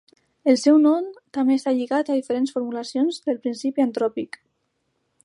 El seu nom també està lligat a diferents formulacions del principi antròpic.